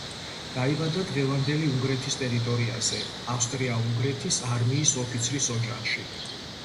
დაიბადა დღევანდელი უნგრეთის ტერიტორიაზე, ავსტრია-უნგრეთის არმიის ოფიცრის ოჯახში.